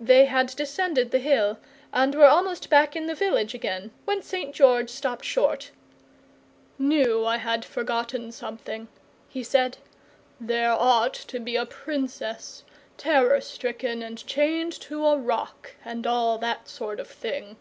They had descended the hill and were almost back in the village again, when St. George stopped short, "KNEW I had forgotten something," he said. "There ought to be a Princess. Terror stricken and chained to a rock, and all that sort of thing.